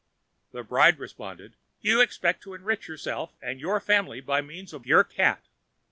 The bride responded: "You expect to enrich yourself and your family by means of your cat.